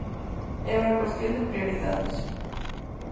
É unha cuestión de prioridades.